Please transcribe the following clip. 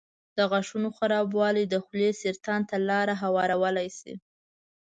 د غاښونو خرابوالی د خولې سرطان ته لاره هوارولی شي.